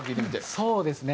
そうですね。